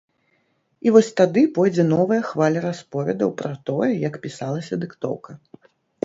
І вось тады пойдзе новая хваля расповедаў пра тое, як пісалася дыктоўка.